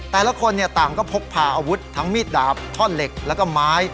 แต่ละคนต่างก็พกพาอาวุธทั้งมีดดาบท่อนเหล็กแล้วก็ไม้